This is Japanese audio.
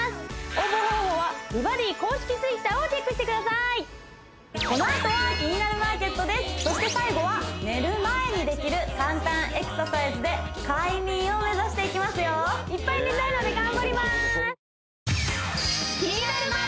応募方法は美バディ公式Ｔｗｉｔｔｅｒをチェックしてくださいそして最後は寝る前にできる簡単エクササイズで快眠を目指していきますよいっぱい寝たいので頑張ります